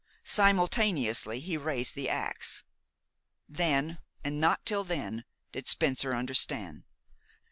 Simultaneously he raised the ax. Then, and not till then, did Spencer understand.